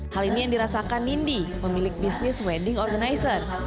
hal ini yang dirasakan nindi pemilik bisnis wedding organizer